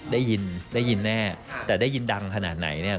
ได้ยินได้ยินแน่แต่ได้ยินดังขนาดไหนเนี่ย